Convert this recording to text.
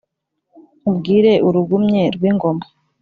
nkubwire urugumye rw’ingoma